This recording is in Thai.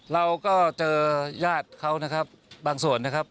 เราก็เจอญาติเขานะครับบางส่วนนะครับ